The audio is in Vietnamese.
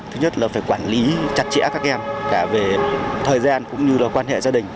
thứ nhất là phải quản lý chặt chẽ các em cả về thời gian cũng như là quan hệ gia đình